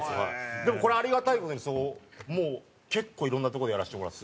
でもこれありがたい事にもう結構いろんなとこでやらせてもらって。